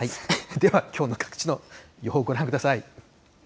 では、きょうの各地の予報、ご覧ください。